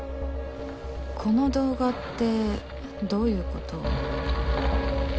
この動画ってどういう事？